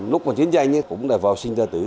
lúc còn chiến tranh ấy cũng đã vào sinh ra tử